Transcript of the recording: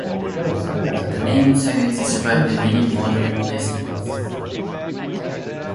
The name Saguenay survived in many modern placenames.